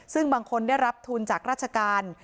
ซึ่งบางคนได้รับทุนจากราชการ